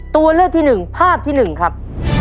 ตัวเลือดที่หนึ่งภาพที่หนึ่งครับ